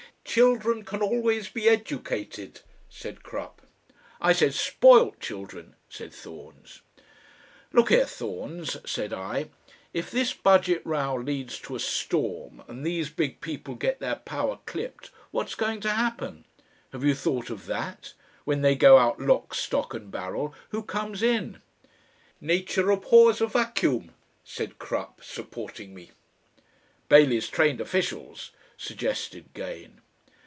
"Children can always be educated," said Crupp. "I said SPOILT children," said Thorns. "Look here, Thorns!" said I. "If this Budget row leads to a storm, and these big people get their power clipped, what's going to happen? Have you thought of that? When they go out lock, stock, and barrel, who comes in?" "Nature abhors a Vacuum," said Crupp, supporting me. "Bailey's trained officials," suggested Gane.